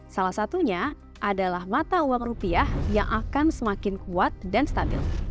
salah satunya adalah mata uang rupiah yang akan semakin kuat dan stabil